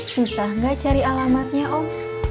susah nggak cari alamatnya om